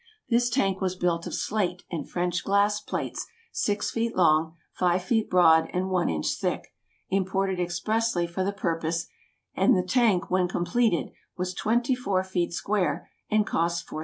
This tank was built of slate and French glass plates six feet long, five feet broad, and one inch thick, imported expressly for the purpose, and the tank, when completed, was twenty four feet square, and cost $4,000.